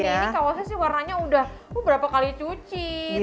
ini kalau saya sih warnanya udah berapa kali cuci